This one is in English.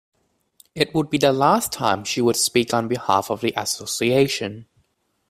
It would be the last time she would speak on behalf of the association.